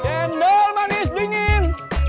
cendol manis dingin